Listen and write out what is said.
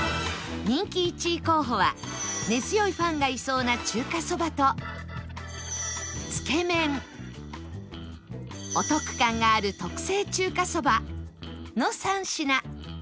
人気１位候補は根強いファンがいそうな中華そばとつけめんお得感がある特製中華そばの３品